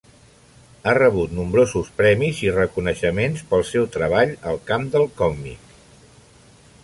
Ha rebut nombrosos premis i reconeixements pel seu treball al camp del còmic.